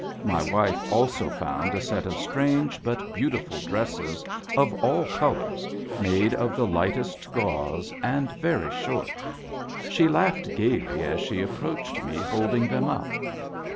My wife also found a set of strange but beautiful dresses, of all colors, made of the light est gauze, and very short. She laughed gayly as she approached me holding them up.